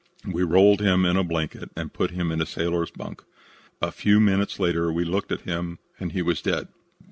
We rolled him in a blanket and put him in a sailor's bunk. A few minutes later we looked at him and he was dead.